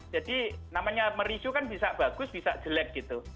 jadi namanya mereview kan bisa bagus bisa jelek gitu